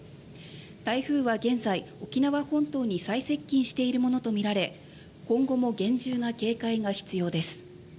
台風は現在、沖縄本島に最接近しているものとみられ今後も厳重な警戒が必要です。